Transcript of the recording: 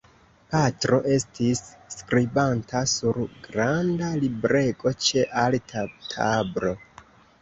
Patro estis skribanta sur granda librego ĉe alta tablo.